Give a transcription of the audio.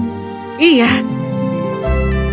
aku mencari kue dari kue yang belum pernah dia buat sebelumnya